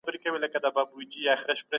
د ذمي ساتنه د اسلام امر دی.